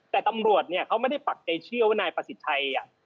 แต่ตำรวจเนี่ยเขาไม่ได้ปักใจเชื่อว่านายประสิทธิ์ชัย